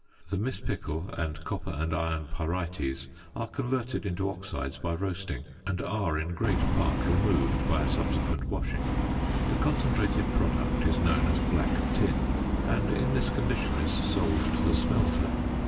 The mispickel and copper and iron pyrites are converted into oxides by roasting, and are in great part removed by a subsequent washing. The concentrated product is known as "black tin," and in this condition is sold to the smelter.